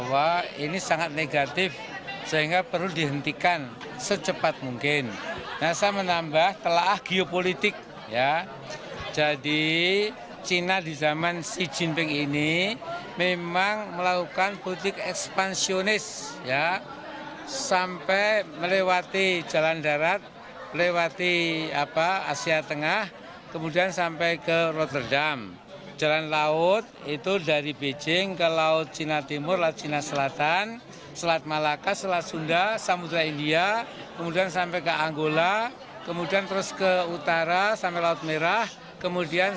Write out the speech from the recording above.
wapres juga menegaskan perialan reklamasi teluk jakarta pemerintah pusat hanya mengarahkan secara umum lantaran pemerintah daerah telah diberi kewenangan melalui otonomi daerah